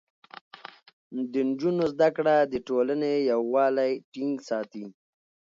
د نجونو زده کړه د ټولنې يووالی ټينګ ساتي.